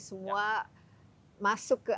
semua masuk ke